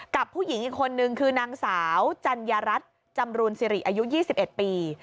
กับผู้หญิงอีกคนนึงคือนางสาวจัญญารัฐจำรูนสิริอายุ๒๑ปี